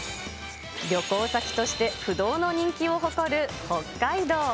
旅行先として不動の人気を誇る北海道。